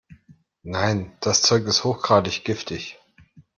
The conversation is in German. Nein, das Zeug ist hochgradig giftig.